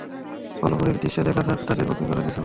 ফলে পুরো দৃশ্য দেখা ছাড়া তাদের পক্ষে করার কিছু ছিল না।